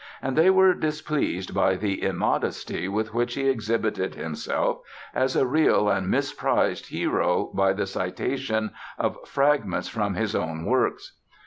And they were displeased by the immodesty with which he exhibited himself as a real and misprized hero by the citation of fragments from his own works.